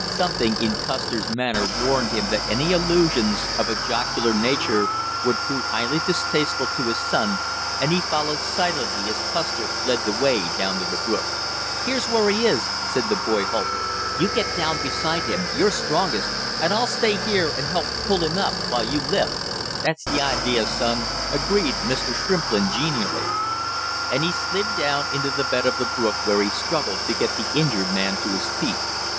Something in Custer's manner warned him that any allusions of a jocular nature would prove highly distasteful to his son, and he followed silently as Custer led the way down to the brook. "Here's where he is!" said the boy halting. "You get down beside him you're strongest, and I'll stay here and help pull him up while you lift!" "That's the idea, son!" agreed Mr. Shrimplin genially. And he slid down into the bed of the brook where he struggled to get the injured man to his feet.